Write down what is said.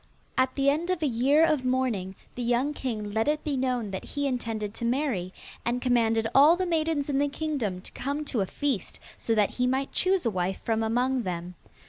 At the end of a year of mourning, the young king let it be known that he intended to marry, and commanded all the maidens in the kingdom to come to a feast, so that he might choose a wife from among them.